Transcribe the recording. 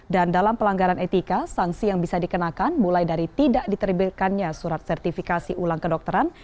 dan dalam pelanggaran etika sanksi yang bisa dikenakan mulai dari tidak diteribikannya surat sertifikasi ulang kedokteran